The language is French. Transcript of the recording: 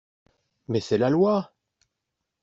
Mais c'est la Loi!